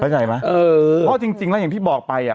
เข้าใจไหมเออเพราะจริงจริงแล้วอย่างที่บอกไปอ่ะ